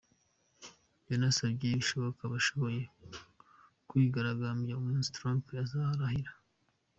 Yanasabye ko bishoboka abashoboye bakwigaragambya umunsi Trump azarahira.